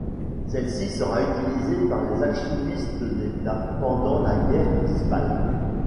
Celle-ci sera utilisée par les alchimistes d'état pendant la guerre d'Ishbal.